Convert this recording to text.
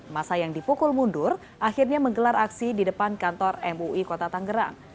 masa yang dipukul mundur akhirnya menggelar aksi di depan kantor mui kota tanggerang